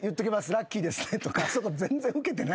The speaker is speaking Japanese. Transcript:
「ラッキーですね」とかあそこ全然ウケてない。